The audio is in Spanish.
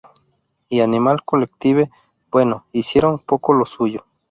Y Animal Collective... bueno, hicieron un poco lo suyo".